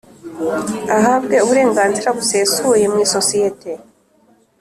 Ahabwe uburenganzira busesuye mu isosiyete